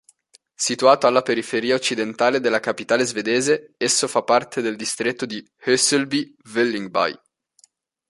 Situato alla periferia occidentale della capitale svedese, esso fa parte del distretto di Hässelby-Vällingby.